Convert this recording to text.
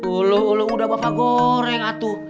uluh uluh udah bapak goreng atu